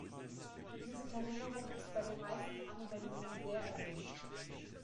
Diese Verringerung ist bei den meisten Anwendungen sehr erwünscht.